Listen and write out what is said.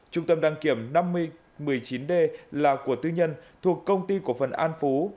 trung tâm đăng kiểm năm một mươi chín d là của tư nhân thuộc công ty cổ phần an phú